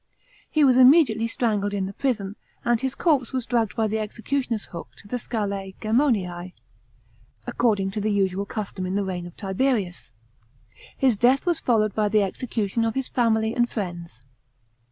He was immediately strangled in the prison, and his corpse was dragged by the execu tioner's hook to the Scalse Gemonise, according to the usual custom in the reign of Tiberius.* His death was followed by the execution of his family and friends.